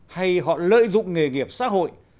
hay họ lợi dụng nghề nghiệp xã hội